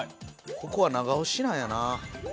ここは長押しなんやな。